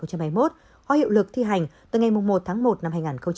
hóa hiệu lực thi hành từ ngày một tháng một năm hai nghìn hai mươi hai